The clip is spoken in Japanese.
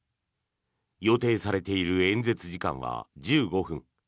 予定されている演説時間は１５分。